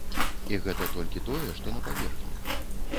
І гэта толькі тое, што на паверхні.